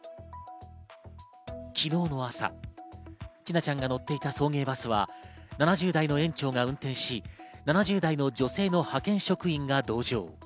昨日の朝、千奈ちゃんが乗っていた送迎バスは７０代の園長が運転し、７０代の女性の派遣職員が同乗。